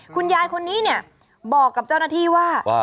คุณยายคนนี้เนี่ยบอกกับเจ้าหน้าที่ว่า